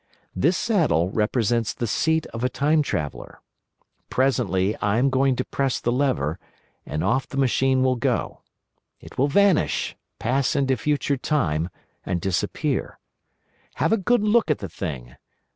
This saddle represents the seat of a time traveller. Presently I am going to press the lever, and off the machine will go. It will vanish, pass into future Time, and disappear. Have a good look at the thing.